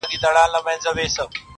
او درد د حقيقت برخه ده,